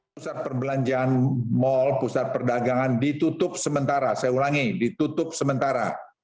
pusat perbelanjaan mal pusat perdagangan ditutup sementara saya ulangi ditutup sementara